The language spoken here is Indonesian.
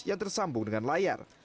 yang tersambung dengan layar